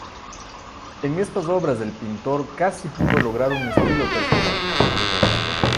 En estas obras el pintor casi pudo lograr un estilo personal.